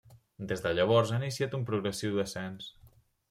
Des de llavors ha iniciat un progressiu descens.